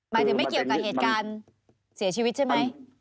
หมายถึงไม่เกี่ยวกับเหตุการณ์เสียชีวิตใช่ไหม